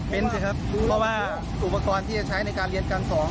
เป็นสิครับเพราะว่าอุปกรณ์ที่จะใช้ในการเรียนการสอน